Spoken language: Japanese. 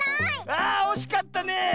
あおしかったね！